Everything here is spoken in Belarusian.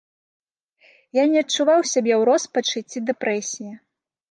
Я не адчуваў сябе ў роспачы ці дэпрэсіі.